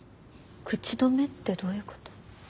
口止めってどういうこと？